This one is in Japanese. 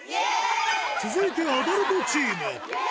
続いてアダルトチーム。